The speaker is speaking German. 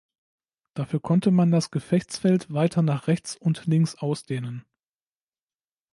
Dafür konnte man das Gefechtsfeld weiter nach rechts und links ausdehnen.